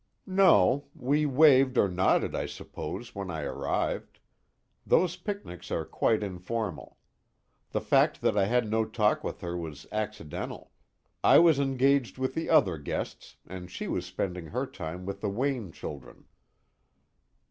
"No. We waved or nodded I suppose, when I arrived. Those picnics are quite informal. The fact that I had no talk with her was accidental; I was engaged with the other guests, and she was spending her time with the Wayne children."